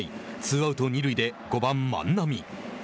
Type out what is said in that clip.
ツーアウト、二塁で５番万波。